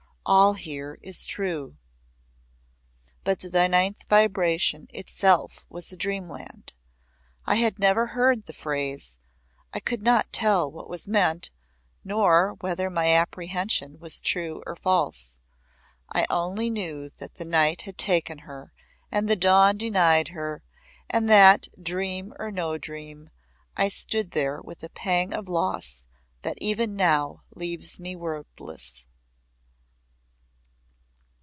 All here is true." But the Ninth Vibration itself was dream land. I had never heard the phrase I could not tell what was meant, nor whether my apprehension was true or false. I knew only that the night had taken her and the dawn denied her, and that, dream or no dream, I stood there with a pang of loss that even now leaves me wordless.